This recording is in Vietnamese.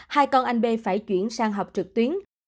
hai con anh b phải chuyển sang học trực tuyến